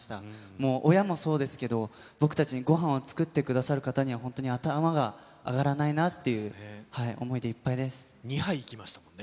もう、親もそうですけど、僕たちにごはんを作ってくださる方には本当に頭が上がらないなっ２杯いきましたもんね。